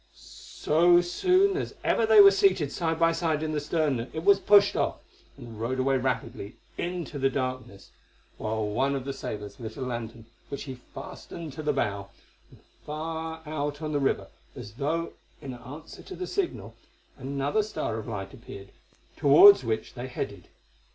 So soon as ever they were seated side by side in the stern it was pushed off, and rowed away rapidly into the darkness, while one of the sailors lit a lantern which he fastened to the bow, and far out on the river, as though in answer to the signal, another star of light appeared, towards which they headed.